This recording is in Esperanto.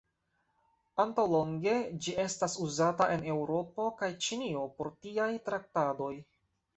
Antaŭ longe ĝi estas uzata en Eŭropo kaj Ĉinio por tiaj traktadoj.